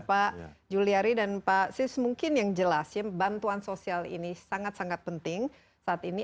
pak juliari dan pak sis mungkin yang jelas ya bantuan sosial ini sangat sangat penting saat ini